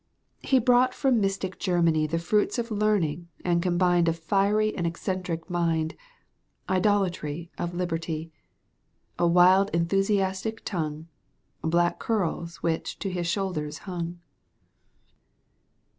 He brought from mystic Germany The fruits of learning and combined A fiery and eccentric mind. Idolatry of liberty, • A wild enthusiastic tongue, Black curls which to his shoulders hung.